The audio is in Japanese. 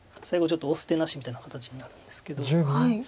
最後ちょっとオス手なしみたいな形になるんですけど。